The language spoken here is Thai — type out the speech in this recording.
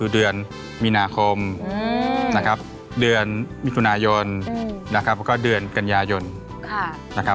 เดือนมิถุนายนแล้วก็เดือนกัญญายน